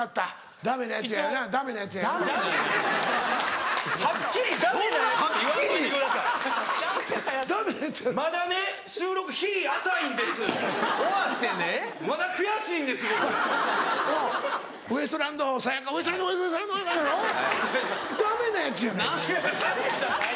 ダメなやつやないかい。